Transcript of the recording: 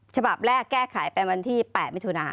ฉบับแรกแก้ไขไปวันที่๘มิถุนา